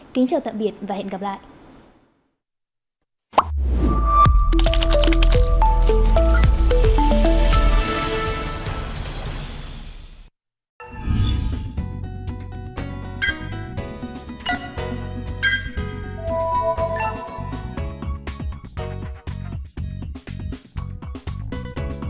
kính chào tạm biệt và hẹn gặp lại